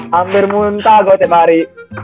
hampir muntah gua setiap hari